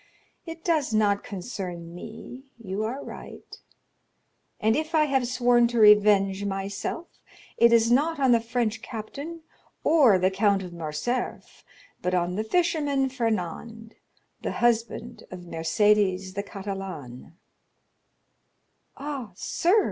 It does not concern me, you are right; and if I have sworn to revenge myself, it is not on the French captain, or the Count of Morcerf, but on the fisherman Fernand, the husband of Mercédès the Catalane." "Ah, sir!"